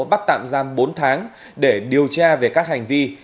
bắt tạm giam bốn tháng để điều tra về các hành vi